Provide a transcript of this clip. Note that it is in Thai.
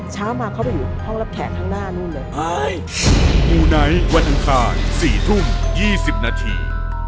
เช้ามาเข้าไปอยู่ห้องรับแขกข้างหน้านู้นเลย